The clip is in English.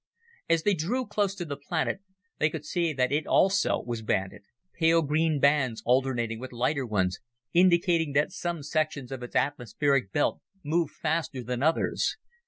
As they drew close to the planet, they could see that it also was banded, pale green bands alternating with lighter ones indicating that some sections of its atmospheric belt moved faster than others.